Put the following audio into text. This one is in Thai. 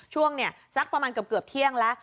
ช่วงนี้สักประมาณเกือบเที่ยงแล้ว